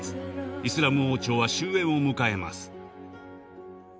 イスラム王朝は終焉を迎えます。